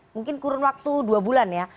mungkin kurun waktu dua bulan ya